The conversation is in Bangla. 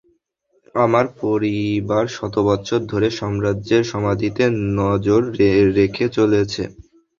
আমার পরিবার শতবছর ধরে সম্রাটের সমাধিতে নজর রেখে চলেছে!